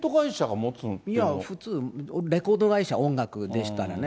普通レコード会社、音楽でしたらね。